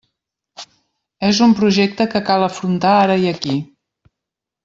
És un projecte que cal afrontar ara i aquí.